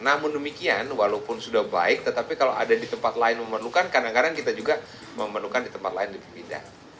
namun demikian walaupun sudah baik tetapi kalau ada di tempat lain memerlukan kadang kadang kita juga memerlukan di tempat lain untuk pindah